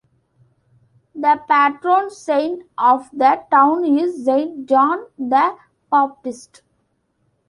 The patron Saint of the town is Saint John the Baptist.